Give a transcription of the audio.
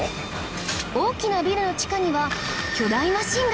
大きなビルの地下には巨大マシンが